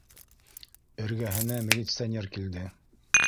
Эргәһенә милиционер килде: